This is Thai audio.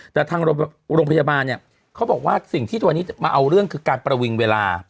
แต่ทางโรงพยาบาลเนี่ยเขาบอกว่าสิ่งที่ตัวนี้จะมาเอาเรื่องคือการประวิงเวลา